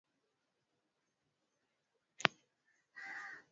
viazi lishe Vinaweza kuliwa nanjugu